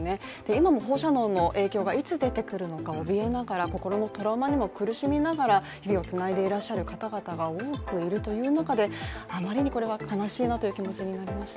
今も放射能の影響がいつ出てくるのかおびえながら、心のトラウマにも苦しみながら、日々を過ごしていらっしゃる方が多くいる中で、あまりにこれは悲しいなという気持ちになります。